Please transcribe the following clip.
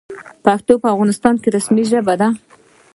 پښتو په افغانستان کې رسمي ژبه ده.